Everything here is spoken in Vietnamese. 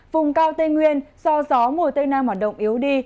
vùng cao tây nguyên do gió mùa tây nam hoạt động yếu đi